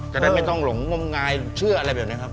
จะได้ไม่ต้องหลงงมงายเชื่ออะไรแบบนี้ครับ